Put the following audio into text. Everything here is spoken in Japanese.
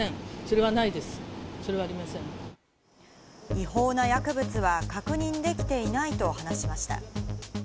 違法な薬物は確認できていないと話しました。